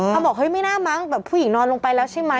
เขาบอกเฮ้ยไม่น่ามั้งแบบผู้หญิงนอนลงไปแล้วใช่ไหม